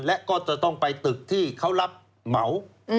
และก็จะต้องไปตึกที่เขารับเหมา